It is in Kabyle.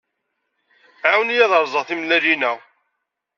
Ɛawen-iyi ad rẓeɣ timellalin-a!